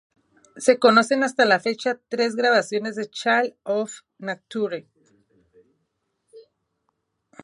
Se conocen, hasta la fecha, tres grabaciones de "Child Of Nature".